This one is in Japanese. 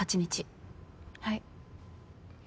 はい。